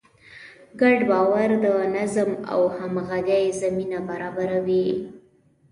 ګډ باور د نظم او همغږۍ زمینه برابروي.